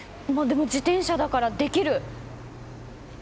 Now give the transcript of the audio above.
自転車だからできる。